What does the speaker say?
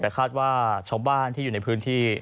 แต่คาดว่าชาวบ้านที่อยู่ในพื้นที่